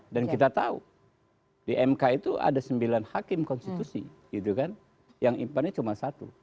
dan kita tahu di mk itu ada sembilan hakim konstitusi gitu kan yang impannya cuma satu